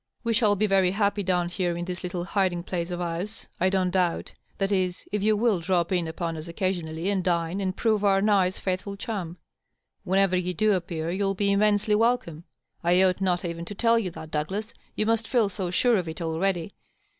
We shall be very happy down here in this little hiding place of ours, I don't doubt. That is, if you will drop in upon us occasionally, and dine, and prove our nice, faithful chum. Whenever you do appear you'll be immensely welcome; I ought not even to tell you that, Douglas ; you must feel so sure of it already.